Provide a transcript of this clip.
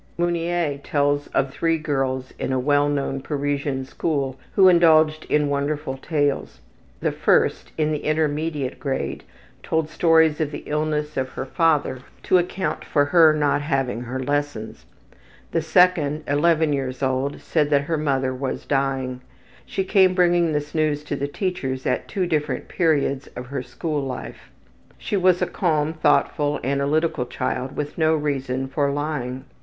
Meunier tells of three girls in a well known Parisian school who indulged in wonderful tales. The first, in the intermediate grade, told stories of the illness of her father to account for her not having her lessons. The second, 11 years old, said that her mother was dying; she came bringing this news to the teachers at two different periods of her school life. She was a calm, thoughtful, analytical child with no reason for lying.